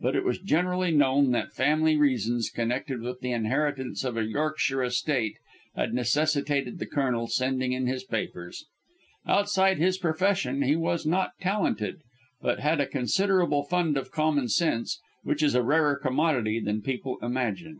But it was generally known that family reasons connected with the inheritance of a Yorkshire estate had necessitated the Colonel sending in his papers. Outside his profession he was not talented, but had a considerable fund of common sense, which is a rarer commodity than people imagine.